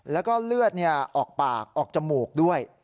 แล้วก็เลือดออกปากออกจมูกด้วย